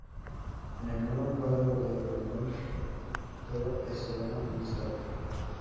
En el nuevo cuadro de Renoir, todo es sereno y estable.